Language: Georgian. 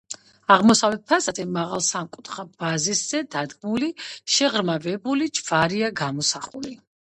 აღმოსავლეთ ფასადზე, მაღალ, სამკუთხა ბაზისზე დადგმული, შეღრმავებული ჯვარია გამოსახული.